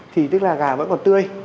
thì tức là gà vẫn còn tươi